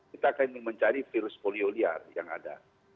kita akan mencari virus polio liar yang ada